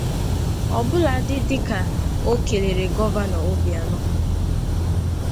ọbụladị dịka o kelere Gọvanọ Obianọ